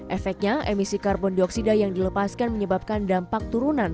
efeknya emisi karbon dioksida yang dilepaskan menyebabkan dampak turunan